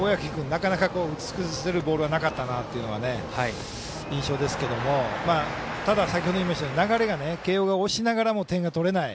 なかなか、打ち崩せるボールがなかったという印象ですけども先ほど言いましたとおり流れが慶応が押しながらも点が取れない。